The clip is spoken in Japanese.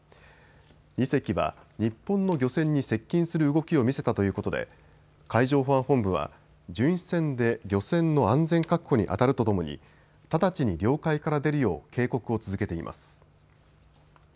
２隻は日本の漁船に接近する動きを見せたということで海上保安本部は巡視船で漁船の安全確保にあたるとともに直ちに領海から出るよう警告を続けています。